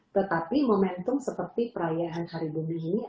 tetapi momentum seperti perayaan hari bumi ini